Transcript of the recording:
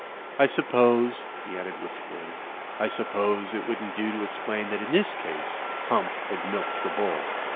I sup pose," he added, wistfully, "I suppose it wouldn't do to explain that in this case Hump had milked the bull.